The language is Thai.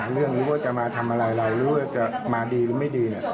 เรื่องอยู่แล้วว่าจะมาทำอะไรอ่าแล้วอยู่แล้วจะมาดีหรือไม่ดี